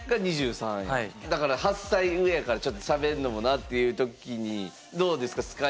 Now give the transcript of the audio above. だから８歳上やからちょっとしゃべるのもなっていう時にどうですか？